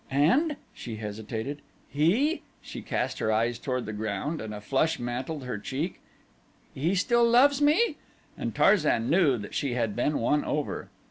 "And " she hesitated "he " she cast her eyes toward the ground and a flush mantled her cheek "he still loves me?" and Tarzan knew that she had been won over.